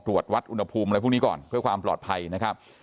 ตรวจวัดอุณหภูมิอะไรพวกนี้ก่อนเพื่อความปลอดภัยนะครับ